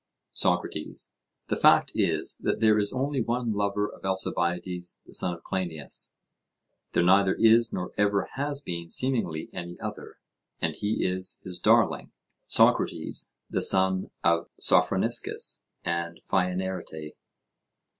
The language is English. SOCRATES: The fact is, that there is only one lover of Alcibiades the son of Cleinias; there neither is nor ever has been seemingly any other; and he is his darling, Socrates, the son of Sophroniscus and Phaenarete.